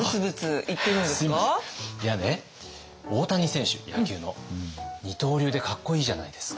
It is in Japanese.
いやね大谷選手野球の二刀流でかっこいいじゃないですか。